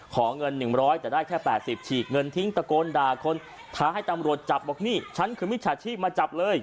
ขอเงิน๑๐๐แต่ได้แค่๘๐ฉีกเงินทิ้งตะโกนด่าคนท้าให้ตำรวจจับบอกนี่ฉันคือมิจฉาชีพมาจับเลย